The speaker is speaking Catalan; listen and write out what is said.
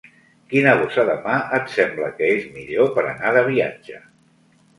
Quina bossa de mà et sembla que és millor per anar de viatge?